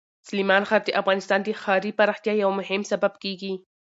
سلیمان غر د افغانستان د ښاري پراختیا یو مهم سبب کېږي.